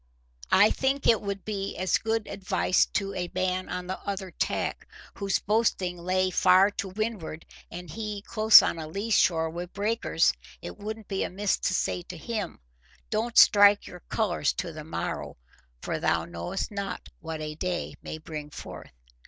I think it would be as good advice to a man on the other tack, whose boasting lay far to windward, and he close on a lee shore wi' breakers—it wouldn't be amiss to say to him, 'Don't strike your colours to the morrow; for thou knowest not what a day may bring forth.